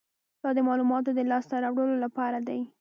دا د معلوماتو د لاسته راوړلو لپاره دی.